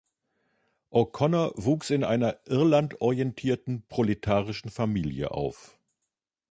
O’Connor wuchs in einer Irland-orientierten proletarischen Familie auf.